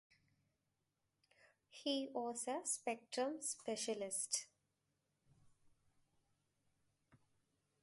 He was a spectrum specialist.